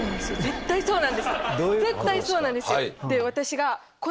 絶対そうなんですよ。